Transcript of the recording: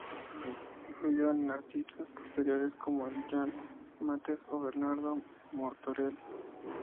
Influyó en artistas posteriores, como Joan Mates o Bernardo Martorell.